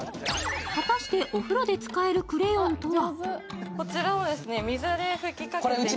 果たしてお風呂で使えるクレヨンとは？